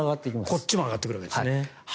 こっちも上がってくるんですね。